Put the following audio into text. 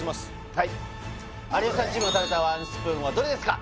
はい有吉さんチームが食べたワンスプーンはどれですか？